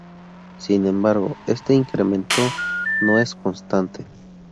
Sin embargo, este incremento no es constante.